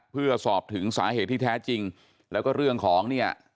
เพื่อสอบถึงสาเหตุที่แท้จริงแล้วก็เรื่องของเนี่ย